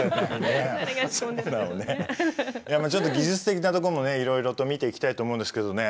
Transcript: ちょっと技術的なとこもねいろいろと見ていきたいと思うんですけどね